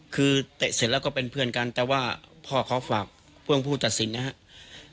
คือเตะเสร็จแล้วก็เป็นเพื่อนกันแต่ว่าพ่อเขาฝากเพื่อนผู้ตัดสินนะครับ